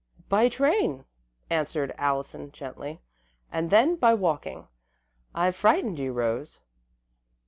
"By train," answered Allison, gently, "and then by walking. I've frightened you, Rose."